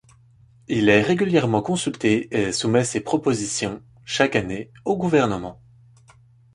Il est régulièrement consulté et soumet ses propositions, chaque année, au gouvernement.